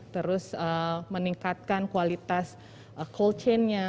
terus meningkatkan kualitas call chain nya